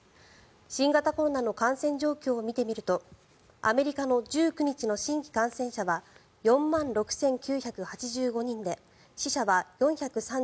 新型コロナの感染状況を見てみるとアメリカの１９日の新規感染者は４万６９８５人で死者は４３２人。